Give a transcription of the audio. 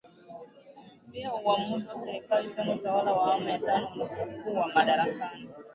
pia uamuzi wa serikali tangu utawala wa awamu ya tano ulipokuwa madarakani